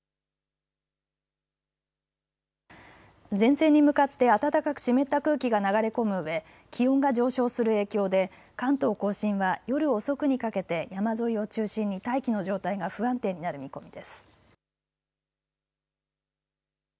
前線に向かって暖かく湿った空気が流れ込むうえ気温が上昇する影響で関東甲信は夜遅くにかけて山沿いを中心に大気の状態が不安定になる見込みです。